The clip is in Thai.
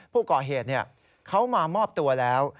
ผู้ก่อเหตุเขามามอบตัวแล้ว